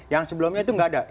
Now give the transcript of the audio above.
yang sebelumnya itu nggak ada